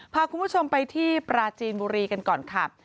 พาคุณผู้ชมไปที่ปราจีนบุรีกันก่อนค่ะ